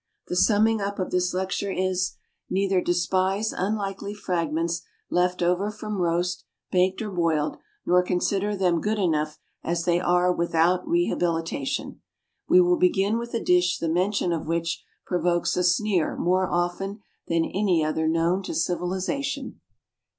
The summing up of this lecture, is: Neither despise unlikely fragments left over from roast, baked or boiled, nor consider them good enough as they are without "rehabilitation." We will begin with a dish the mention of which provokes a sneer more often than any other known to civilization.